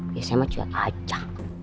ya saya mah cuat aja